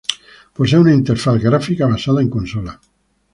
Posee una interfaz gráfica basada en consola.